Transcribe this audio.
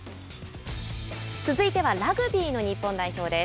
続いてはラグビーの日本代表です。